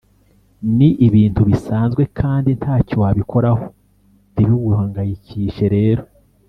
Ni ibintu bisanzwe kandi nta cyo wabikoraho ntibiguhangayikishe rero